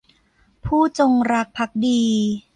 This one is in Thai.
ผู้จงรักภักดี